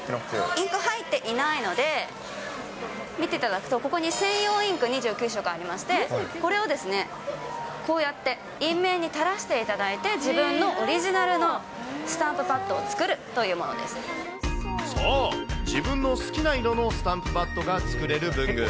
インク入っていないので、見ていただくと、ここに専用インク２９色ありまして、これをですね、こうやって、印面に垂らしていただいて、自分のオリジナルのスタンプパッそう、自分の好きな色のスタンプパッドが作れる文具。